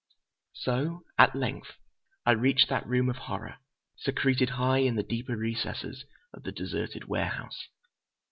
So, at length, I reached that room of horror, secreted high in the deeper recesses of the deserted warehouse.